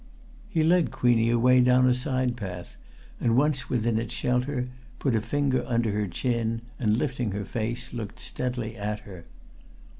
He led Queenie away down a side path, and once within its shelter, put a finger under her chin, and lifting her face, looked steadily at her.